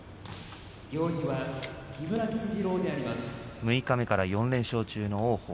六日目から４連勝中の王鵬。